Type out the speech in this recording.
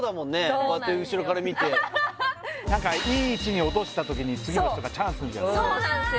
こうやって後ろから見て何かいい位置に落とした時に次の人がチャンスみたいなそうそうなんですよ